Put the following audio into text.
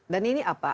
dan ini apa